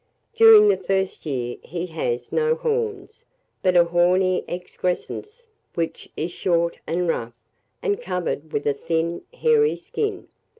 During the first year he has no horns, but a horny excrescence, which is short and rough, and covered with a thin hairy skin.